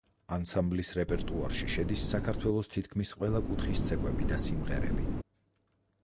ანსამბლის რეპერტუარში შედის საქართველოს თითქმის ყველა კუთხის ცეკვები და სიმღერები.